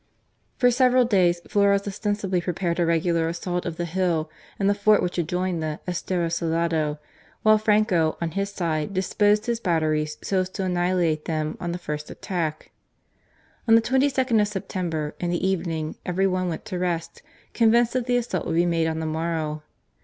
For several days Flores ostensibly prepared a regular assault of the hill and the fort which adjoined the " Estero Salado," while Franco on his side, disposed his batteries so as to annihilate them on the first attack. On the 22nd of September, in the evening, every one went to rest, convinced that the assault would be made on the morrow.